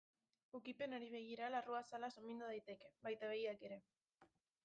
Ukipenari begira, larruazala sumindu daiteke, baita begiak ere.